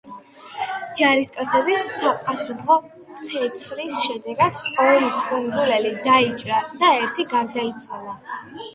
ჯარისკაცების საპასუხო ცეცხლის შედეგად ორი კუნძულელი დაიჭრა და ერთი გარდაიცვალა.